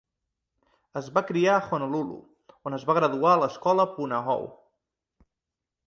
Es va criar a Honolulu, on es va graduar a l'escola Punahou.